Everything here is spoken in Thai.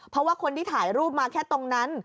เพราะว่าคนที่ถ่ายรูปมาแค่ตรงนั้น